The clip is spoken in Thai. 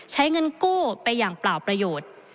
ใช้เงินกู้ไปอย่างเปล่าประโยชน์